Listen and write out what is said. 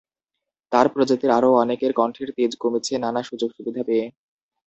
তাঁর প্রজাতির আরও অনেকের কণ্ঠের তেজ কমেছে নানা সুযোগ সুবিধা পেয়ে।